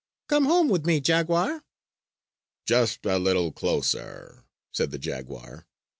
Come home with me, jaguar!" "Just a little closer!" said the jaguar.